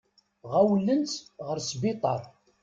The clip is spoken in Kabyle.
Ɣawlen-tt ɣer sbiṭar.